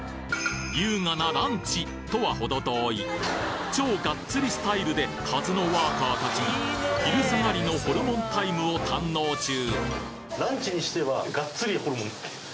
優雅なランチとは程遠い超がっつりスタイルで鹿角ワーカーたちが昼下がりのホルモンタイムを堪能中